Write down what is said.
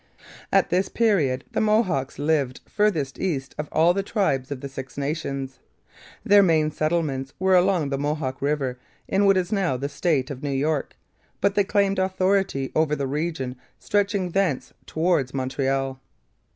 At this period the Mohawks lived farthest east of all the tribes of the Six Nations. Their main settlements were along the Mohawk river in what is now the state of New York, but they claimed authority over the region stretching thence towards Montreal.